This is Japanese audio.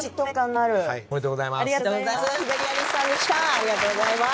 ありがとうございます。